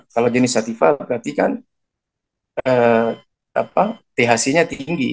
kalau jenis satifah berarti kan thc nya tinggi